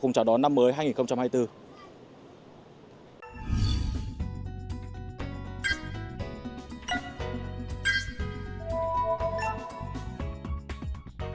ứng trực tại đơn vị